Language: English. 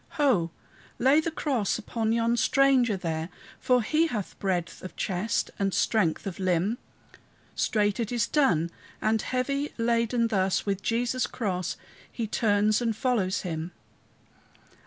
Ho! lay the cross upon yon stranger there, For he hath breadth of chest and strength of limb. Straight it is done; and heavy laden thus, With Jesus' cross, he turns and follows him.